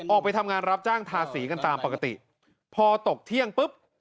ออกไปทำงานรับจ้างทาสีกันตามปกติพอตกเที่ยงปุ๊บ